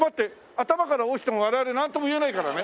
頭から落ちても我々なんとも言えないからね。